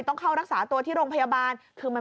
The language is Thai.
ต้องเข้ารักษาตัวที่โรงพยาบาลคือมัน